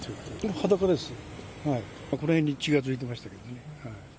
裸ですよ、この辺に血がついてましたけどね。